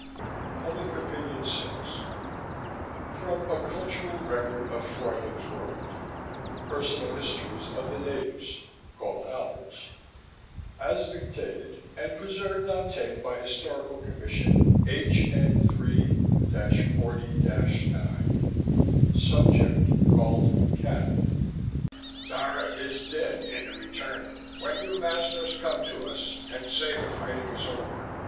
_PUBLIC OPINION SIX From A Cultural Record of Fruyling's World Personal Histories of the Natives (called Alberts) As Dictated and Preserved on Tape by Historical Commission HN3 40 9 Subject (called) Cadnan ... Dara is dead in the returning, when new masters come to us and say the fighting is over.